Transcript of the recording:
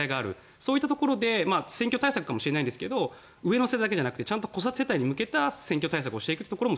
そういったところで選挙対策かもしれませんが上の世代だけじゃなくて子育て世代に向けた選挙対策をしていくことも